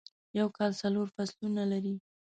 یو کال څلور فصلونه لري.